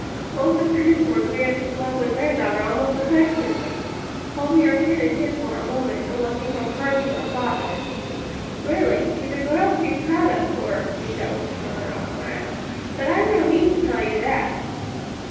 Old Mr. Dinsmore greeted his lovely granddaughter almost affectionately, holding her hand in his for a moment, and looking from her to her father. "Really, she's a girl to be proud of, Horace," he said with a paternal smile. "But I've no need to tell you that."